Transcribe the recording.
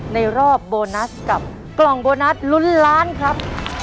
ในรอบโบนัสกับกล่องโบนัสลุ้นล้านครับ